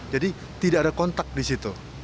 jadi tidak ada kontak di situ